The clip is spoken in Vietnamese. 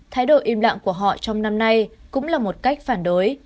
thái độ im lặng của họ trong năm nay cũng là một cách phản đối